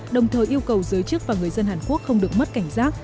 đồng thời yêu cầu giới chức và người dân hàn quốc không được mất cảnh giác